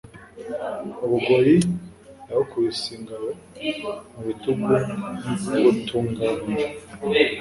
U Bugoyi yabukubise ingabo mu bitugu butunganira